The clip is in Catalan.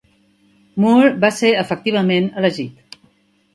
Moore va ser efectivament elegit.